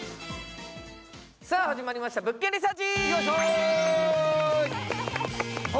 始まりました「物件リサーチ」。